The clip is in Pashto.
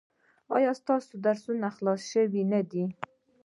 ایا ستاسو درسونه خلاص شوي نه دي؟